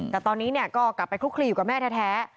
แต่ตอนนี้ก็กลับไปคลุกคลีอยู่กับแม่แท้